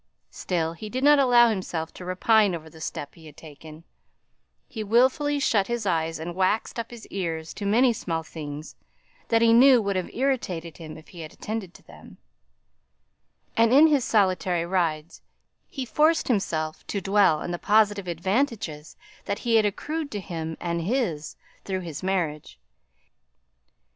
Still, he did not allow himself to repine over the step he had taken; he wilfully shut his eyes and waxed up his ears to many small things that he knew would have irritated him if he had attended to them; and, in his solitary rides, he forced himself to dwell on the positive advantages that had accrued to him and his through his marriage.